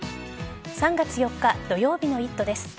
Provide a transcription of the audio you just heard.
３月４日土曜日の「イット！」です。